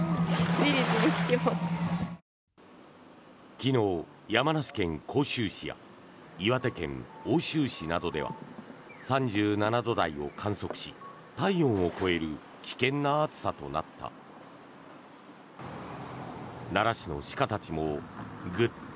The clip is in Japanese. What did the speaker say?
昨日、山梨県甲州市や岩手県奥州市などでは３７度台を観測し体温を超える危険な暑さとなった。